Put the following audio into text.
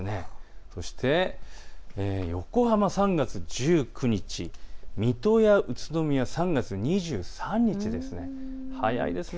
そして横浜３月１９日、水戸や宇都宮３月２３日ですね。